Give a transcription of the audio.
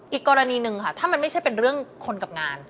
อีกกรณีหนึ่งค่ะถ้ามันไม่ใช่เป็นเรื่องคนกับงาน